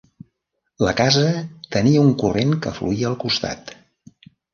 La casa tenia un corrent que fluïa al costat.